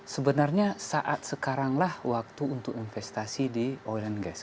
sebenarnya saat sekaranglah waktu untuk investasi di oil and gas